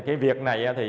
cái việc này thì